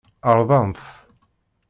Rdan-t.